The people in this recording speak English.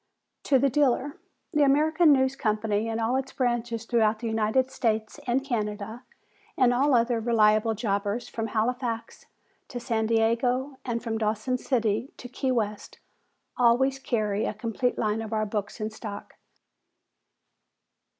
To The Dealer: The American News Company and all its branches throughout the United States and Canada, and all other reliable jobbers from Halifax to San Diego and from Dawson City to Key West always carry a complete line of our books in stock.